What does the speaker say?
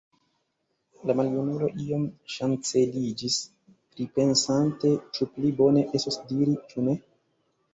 La maljunulo iom ŝanceliĝis, pripensante, ĉu pli bone estos diri, ĉu ne.